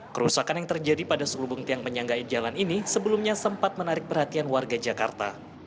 kerusakan yang terjadi pada selubung tiang penyanggai jalan ini sebelumnya sempat menarik perhatian warga jakarta